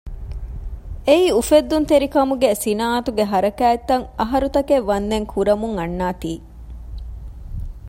އެއީ އުފެއްދުންތެރކަމުގެ ސިނާއަތުގެ ހަރަކާތްތައް އަހަރުތަކެއް ވަންދެން ކުރަމުން އަންނާތީ